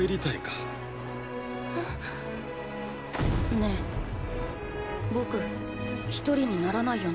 ねぇ僕一人にならないよね。